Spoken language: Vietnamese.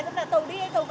xem là tàu đi hay tàu về